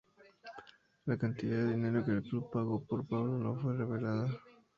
La cantidad de dinero que el club pagó por Pablo no fue revelada.